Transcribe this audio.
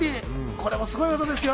これもすごい技ですよ。